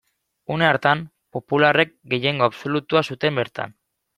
Une hartan, popularrek gehiengo absolutua zuten bertan.